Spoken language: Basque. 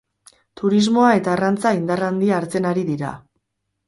Turismoa eta arrantza indar handia hartzen ari dira.